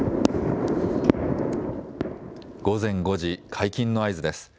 午前５時、解禁の合図です。